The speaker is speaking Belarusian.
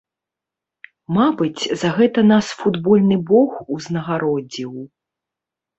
Мабыць, за гэта нас футбольны бог узнагародзіў.